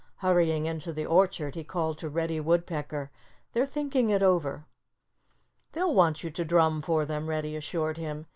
Hurrying into the orchard he called to Reddy Woodpecker, "They're thinking it over." "They'll want you to drum for them," Reddy assured him.